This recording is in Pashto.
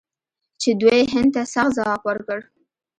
چې دوی هند ته سخت ځواب ورکړ.